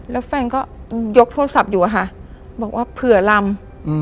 แล้วแฟนก็ยกโทรศัพท์อยู่อะค่ะบอกว่าเผื่อลำ